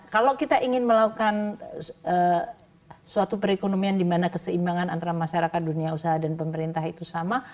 kalau kita ingin melakukan suatu perekonomian di mana keseimbangan antara masyarakat dunia usaha dan pemerintah itu sama